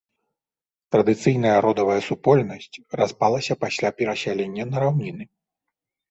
Традыцыйная родавая супольнасць распалася пасля перасялення на раўніны.